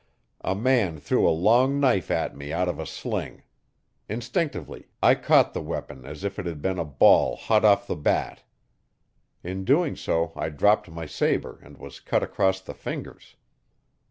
A man threw a long knife at me out of a sling. Instinctively I caught the weapon as if it had been a ball hot off the bat. In doing so I dropped my sabre and was cut across the fingers.